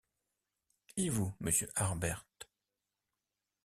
Et vous, monsieur Harbert?